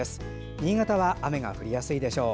新潟は雨が降りやすいでしょう。